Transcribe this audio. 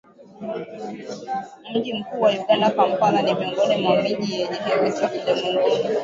Mji mkuu wa Uganda, Kampala ni miongoni mwa miji yenye hewa chafu ulimwenguni